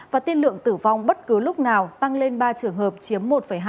và tiên lượng tử vong bất cứ lúc nào tăng lên ba trường hợp chiếm một hai